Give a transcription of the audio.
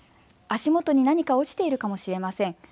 足元に何か落ちているかもしれません。